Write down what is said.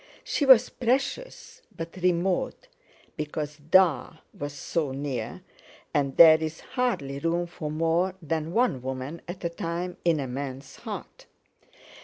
She was precious but remote, because "Da" was so near, and there is hardly room for more than one woman at a time in a man's heart.